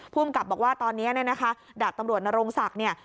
ผู้อำกับบอกว่าตอนนี้นะคะดาบตำรวจนรงศักดิ์